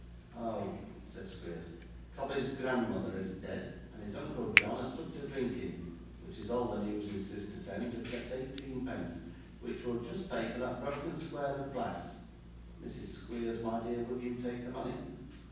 'Oh!' said Squeers: 'Cobbey's grandmother is dead, and his uncle John has took to drinking, which is all the news his sister sends, except eighteenpence, which will just pay for that broken square of glass. Mrs Squeers, my dear, will you take the money?